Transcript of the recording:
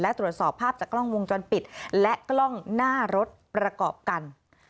และตรวจสอบภาพจากกล้องวงจรปิดและกล้องหน้ารถประกอบกัน